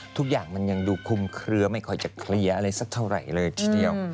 ทุกอย่างมันยังดูคุมเคลือไม่ค่อยจะเคลียร์อะไรสักเท่าไหร่เลยทีเดียว